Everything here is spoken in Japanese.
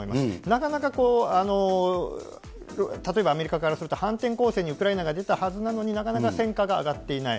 なかなかこう、例えばアメリカからすると、反転攻勢にウクライナが出たはずなのに、なかなか戦果があがっていない。